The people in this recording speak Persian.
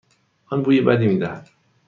آن بوی بدی میدهد.